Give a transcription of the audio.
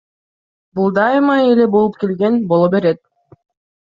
Бул дайыма эле болуп келген, боло берет.